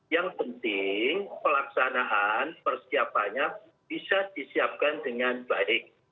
yang penting pelaksanaan persiapannya bisa disiapkan dengan baik